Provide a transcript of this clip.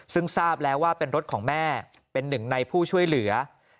ซึ่งทราบแล้วว่าเป็นรถของแม่เป็นหนึ่งในผู้ช่วยเหลือ